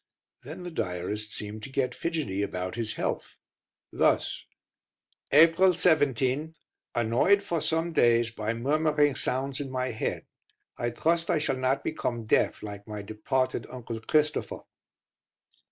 Then the diarist seemed to get fidgety about his health. Thus: April 17. Annoyed for some days by murmuring sounds in my head. I trust I shall not become deaf, like my departed uncle Christopher.